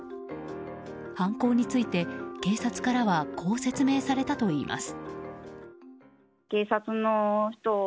犯行について警察からはこう説明されたといいます。